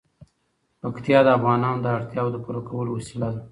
پکتیا د افغانانو د اړتیاوو د پوره کولو وسیله ده.